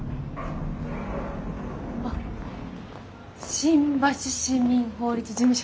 新橋市民法律事務所